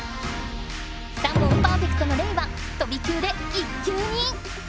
３もんパーフェクトのレイは飛び級で１級に！